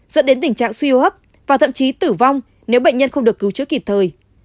dẫn đến tình trạng suy hốp và thậm chí tử vong nếu bệnh nhân không được cứu trước kịp thời